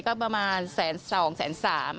ก็ประมาณแสนสองแสนสาม